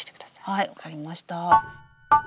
はい分かりました。